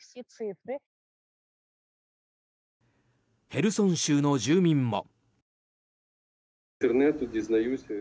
ヘルソン州の住民も。